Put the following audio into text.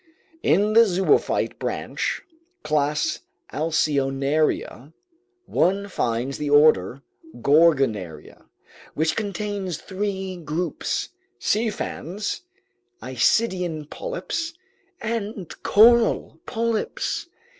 In the zoophyte branch, class Alcyonaria, one finds the order Gorgonaria, which contains three groups: sea fans, isidian polyps, and coral polyps.